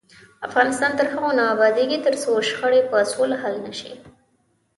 افغانستان تر هغو نه ابادیږي، ترڅو شخړې په سوله حل نشي.